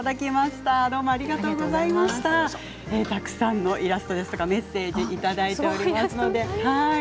たくさんのイラストですとかメッセージをいただいています。